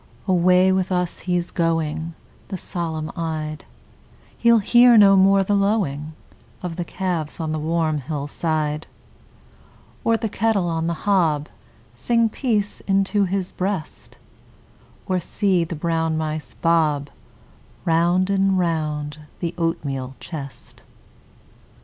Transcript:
Away with us he's going, The solemn eyed: He'll hear no more the lowing Of the calves on the warm hillside Or the kettle on the hob Sing peace into his breast, Or see the brown mice bob Round and round the oatmeal chest.